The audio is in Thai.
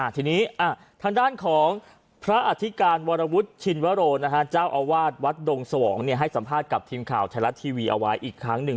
ทีนี้ทางด้านของพระอธิการวรวุฒิชินวโรเจ้าอาวาสวัดดงสวองให้สัมภาษณ์กับทีมข่าวไทยรัฐทีวีเอาไว้อีกครั้งหนึ่ง